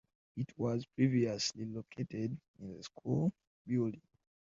It was previously located in the school building.